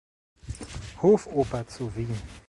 Hofoper zu Wien.